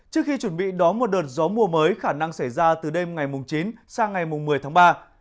trước khi chuẩn bị đón một đợt gió mùa mới khả năng xảy ra từ đêm ngày chín sang ngày một mươi tháng ba